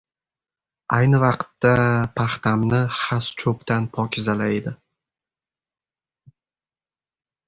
Ayni vaqtda paxtamni xas-cho‘pdan pokizalaydi.